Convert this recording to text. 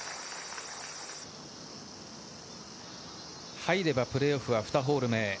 入れば、プレーオフは２ホール目へ。